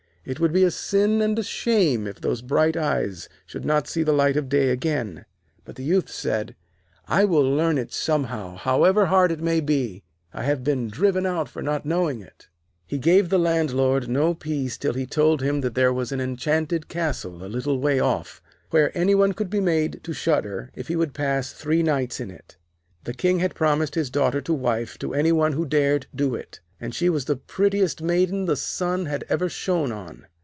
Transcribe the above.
It would be a sin and a shame if those bright eyes should not see the light of day again.' But the Youth said: 'I will learn it somehow, however hard it may be. I have been driven out for not knowing it.' He gave the Landlord no peace till he told him that there was an enchanted castle a little way off, where any one could be made to shudder, if he would pass three nights in it. The King had promised his daughter to wife to any one who dared do it, and she was the prettiest maiden the sun had ever shone on.